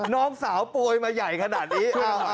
น้องสาวโปรยมาใหญ่ขนาดนี้